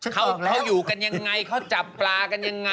เขาอยู่กันยังไงเขาจับปลากันยังไง